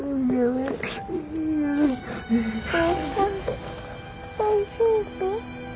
お父さん大丈夫？